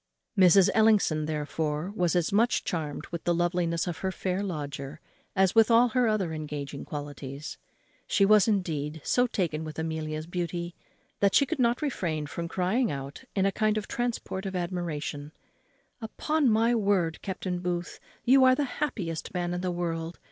Mrs. Ellison, therefore, was as much charmed with the loveliness of her fair lodger as with all her other engaging qualities. She was, indeed, so taken with Amelia's beauty, that she could not refrain from crying out in a kind of transport of admiration, "Upon my word, Captain Booth, you are the happiest man in the world!